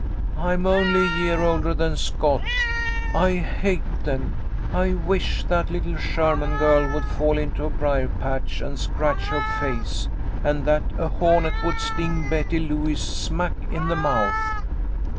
I'm only a year older than Scott. I Jiate them ! I wish that little Sherman girl would fall into a brier patch and scratch her face, and that a hornet would sting Betty Lewis smack in the mouth